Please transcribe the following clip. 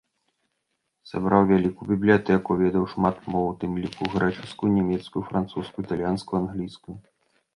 Сабраў вялікую бібліятэку, ведаў шмат моў, у тым ліку грэчаскую, нямецкую, французскую, італьянскую, англійскую.